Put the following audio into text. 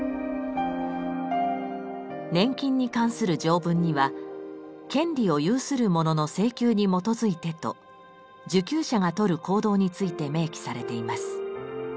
年金に関する条文には「権利を有する者の請求に基づいて」と受給者がとる行動について明記されています。